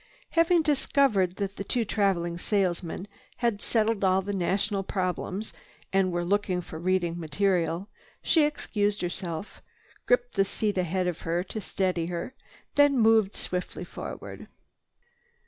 Having discovered that the two traveling salesmen had settled all the nation's problems and were looking for reading material, she excused herself, gripped the seat ahead to steady her, then moved swiftly forward.